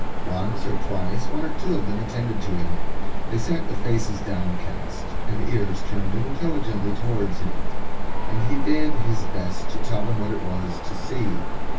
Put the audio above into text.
Once or twice one or two of them attended to him; they sat with faces downcast and ears turned intelligently towards him, and he did his best to tell them what it was to see.